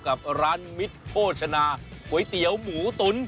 กับร้านมิตรโภชนาก๋วยเตี๋ยวหมูตุ๋น